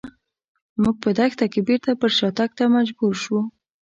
موږ په دښته کې بېرته پر شاتګ ته مجبور شوو.